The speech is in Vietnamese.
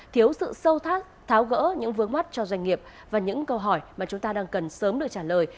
thiếu sự sâu thát tháo gỡ những vướng mắt cho doanh nghiệp và những câu hỏi mà chúng ta đang cần sớm được trả lời